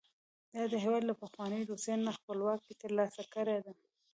دا هېواد له پخوانۍ روسیې نه خپلواکي تر لاسه کړې ده.